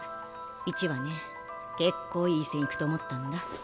１はね結構いい線いくと思ったんだ。